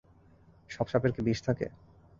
সব সাপের কি বিষ থাকে?